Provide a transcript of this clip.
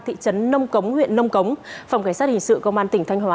thị trấn nông cống huyện nông cống phòng cảnh sát hình sự công an tỉnh thanh hóa